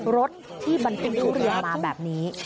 รถที่บรรทุกทุเรียนมาแบบนี้